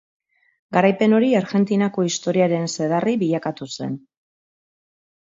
Garaipen hori Argentinako historiaren zedarri bilakatu zen.